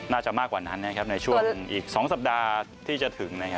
น่าจะมากกว่านั้นนะครับในช่วงอีก๒สัปดาห์ที่จะถึงนะครับ